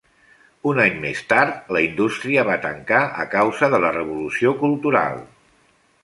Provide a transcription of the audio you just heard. Un any més tard, la indústria va tancar a causa de la Revolució Cultural.